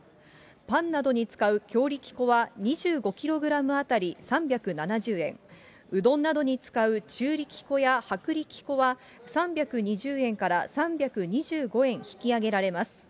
パンなどに使う強力粉は２５キログラム当たり３７０円、うどんなどに使う中力粉や薄力粉は、３２０円から３２５円引き上げられます。